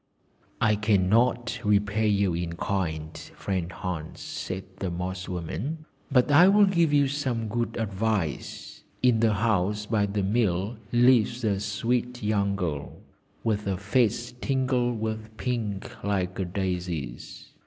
'I cannot repay you in kind, friend Hans,' said the Moss woman, 'but I will give you some good advice. In the house by the mill lives a sweet young girl, with a face tinged with pink like a daisy's.